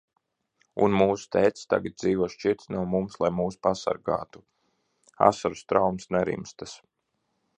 Un mūsu tētis tagad dzīvo šķirti no mums, lai mūs pasargātu. Asaru straumes nerimstas.